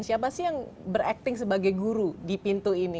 siapa sih yang berakting sebagai guru di pintu ini